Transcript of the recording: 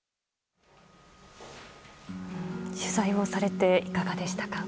取材をされていかがでしたか？